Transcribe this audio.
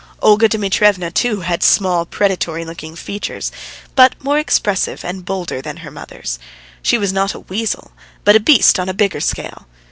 Olga Dmitrievna, too, had small predatory looking features, but more expressive and bolder than her mother's; she was not a weasel, but a beast on a bigger scale!